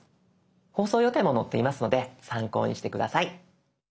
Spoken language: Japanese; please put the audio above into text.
放送予定も載っていますので参考にして下さい。